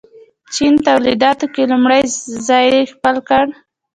چین تولیداتو کې لومړی ځای خپل کړ.